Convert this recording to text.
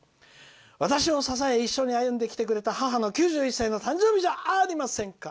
私を支え一緒に歩んできてくれた母の９１歳の誕生日じゃありませんか。